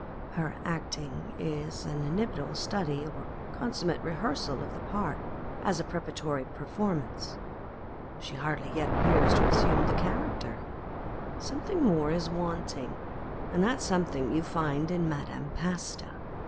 Her acting is an inimitable study or consummate rehearsal of the part as a preparatory per formance : she hardly yet appears to have assumed the character ; something more is wanting, and that something you find in Madame Pasta.